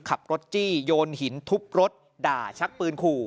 ขับรถจี้โยนหินทุบรถด่าชักปืนขู่